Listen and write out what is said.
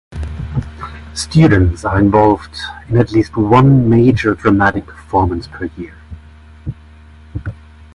Students are involved in at least one major dramatic performance per year.